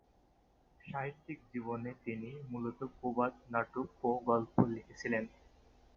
সাহিত্যিক জীবনে তিনি মূলত প্রবন্ধ, নাটক ও গল্প লিখেছেন।